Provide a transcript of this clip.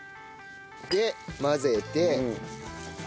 で混ぜて。